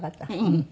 うん。